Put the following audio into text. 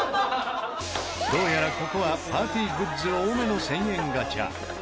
どうやらここはパーティーグッズ多めの１０００円ガチャ。